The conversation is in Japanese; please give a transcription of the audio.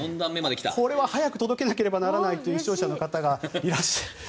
これは早く届けなければならないという視聴者の方がいらっしゃいまして。